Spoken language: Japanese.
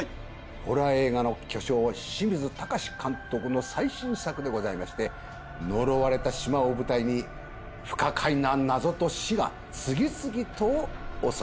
ホラー映画の巨匠清水崇監督の最新作でございまして呪われた島を舞台に不可解な謎と死が次々と襲います。